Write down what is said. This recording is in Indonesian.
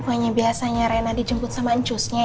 bukannya biasanya reina dijemput sama ncusnya ya